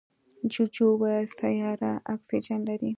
جوجو وویل سیاره اکسیجن لري.